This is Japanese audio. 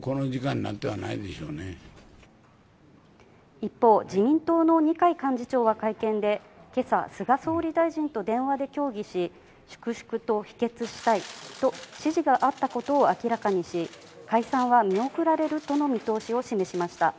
一方、自民党の二階幹事長は会見で、今朝、菅総理大臣と電話で協議し、粛々と否決したいと指示があったことを明らかにし、解散は見送られるとの見通しを示しました。